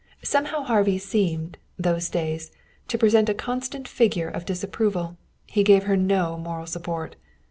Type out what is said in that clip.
Somehow Harvey seemed, those days, to present a constant figure of disapproval. He gave her no moral support.